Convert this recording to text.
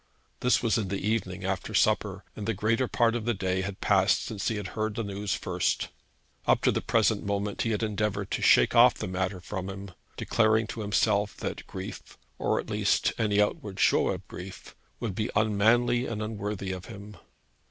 This was in the evening, after supper, and the greater part of the day had passed since he had first heard the news. Up to the present moment he had endeavoured to shake the matter off from him, declaring to himself that grief or at least any outward show of grief would be unmanly and unworthy of him.